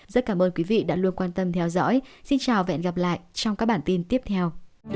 rất cảm ơn quý vị đã luôn quan tâm theo dõi xin chào và hẹn gặp lại trong các bản tin tiếp theo